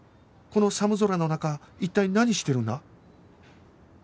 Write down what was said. この寒空の中一体何してるんだ？